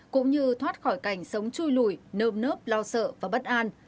cũng như thoát khỏi cảnh sống chui lùi nơm nớp lo sợ và bất an